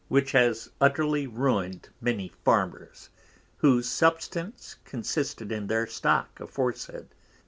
which has utterly ruined many Farmers, whose substance consisted in their Stock aforesaid.